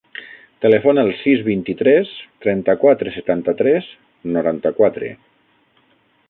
Telefona al sis, vint-i-tres, trenta-quatre, setanta-tres, noranta-quatre.